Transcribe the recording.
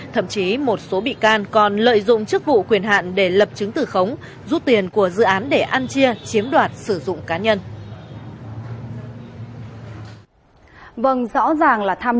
thậm chí một số bị can còn lợi dụng chức vụ quyền hạn để lập chứng tử khống rút tiền của dự án để ăn chia chiếm đoạt sử dụng cá nhân